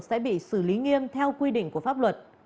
sẽ bị xử lý nghiêm theo quy định của pháp luật